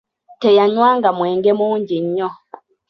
Teyanywanga mwenge mungi nnyo.